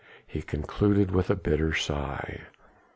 he concluded with a bitter sigh.